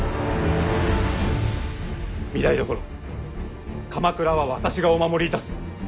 御台所鎌倉は私がお守りいたす。